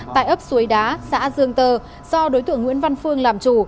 tại ấp suối đá xã dương tơ do đối tượng nguyễn văn phương làm chủ